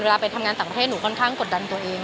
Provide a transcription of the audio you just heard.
ไปทำงานต่างประเทศหนูค่อนข้างกดดันตัวเอง